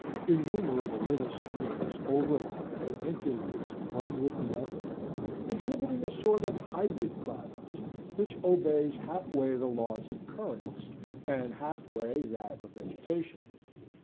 Innumerable little streams overlap and interlace one with another, exhibiting a sort of hybrid product, which obeys half way the law of currents, and half way that of vegetation.